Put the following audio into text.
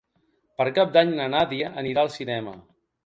Per Cap d'Any na Nàdia anirà al cinema.